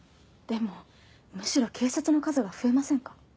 でもむしろ警察の数が増えませんか？